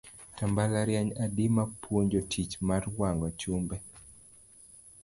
To mbalariany adi ma puonjo tich mar wang'o chumbe.